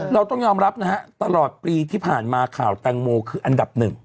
เราต้องยอมรับนะฮะตลอดปีที่ผ่านมาข่าวแตงโมคืออันดับหนึ่ง